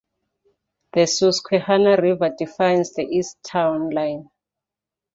The Susquehanna River defines the east town line.